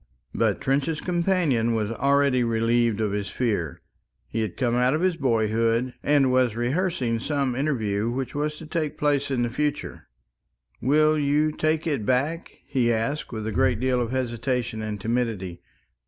But Trench's companion was already relieved of his fear. He had come out of his boyhood, and was rehearsing some interview which was to take place in the future. "Will you take it back?" he asked, with a great deal of hesitation and timidity.